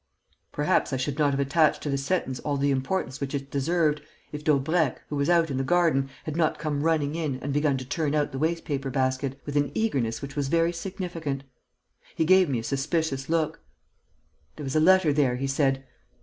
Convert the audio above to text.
Perhaps I should not have attached to this sentence all the importance which it deserved, if Daubrecq, who was out in the garden, had not come running in and begun to turn out the waste paper basket, with an eagerness which was very significant. He gave me a suspicious look: 'There was a letter there,' he said.